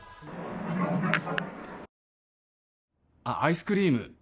あっアイスクリーム